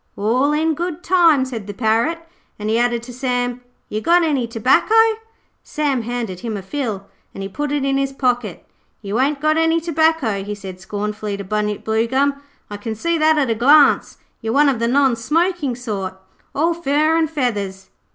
'All in good time,' said the Parrot, and he added to Sam, 'You got any tobacco?' Sam handed him a fill, and he put it in his pocket. 'You ain't got any tobacco,' he said scornfully to Bunyip Bluegum. 'I can see that at a glance. You're one of the non smoking sort, all fur and feathers.'